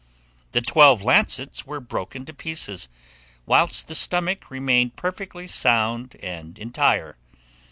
The twelve lancets were broken to pieces, whilst the stomach remained perfectly sound and entire.